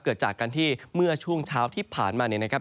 เกิดจากการที่เมื่อช่วงเช้าที่ผ่านมาเนี่ยนะครับ